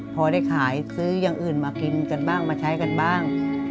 พอได้ขายซื้ออย่างอื่นมากินกันบ้างมาใช้กันบ้าง